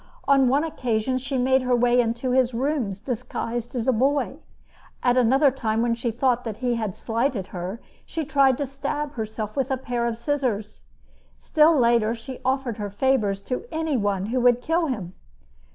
On one occasion she made her way into his rooms disguised as a boy. At another time, when she thought he had slighted her, she tried to stab herself with a pair of scissors. Still later, she offered her favors to any one who would kill him.